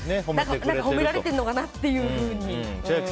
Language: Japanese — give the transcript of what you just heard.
褒められてるのかなってふうに。